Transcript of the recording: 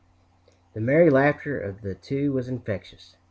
The merry laughter of the two was infectious.